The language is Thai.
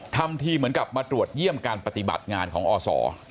ทำทีเหมือนกับมาตรวจเยี่ยมการปฏิบัติงานของอศ